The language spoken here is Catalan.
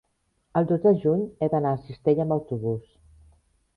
el dos de juny he d'anar a Cistella amb autobús.